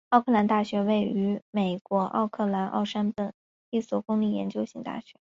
奥克兰大学是位于美国密歇根州奥克兰县奥本山和罗切斯特山的一所公立研究型大学。